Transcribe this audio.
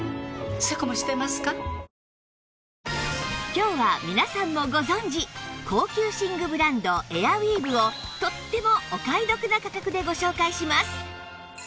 今日は皆さんもご存じ高級寝具ブランドエアウィーヴをとってもお買い得な価格でご紹介します